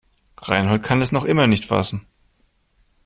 Reinhold kann es noch immer nicht fassen.